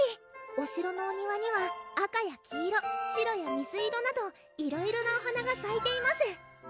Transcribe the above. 「お城のお庭には赤や黄色白や水色など色々なお花が咲いています」